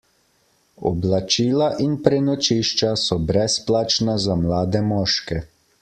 Oblačila in prenočišča so brezplačna za mlade moške.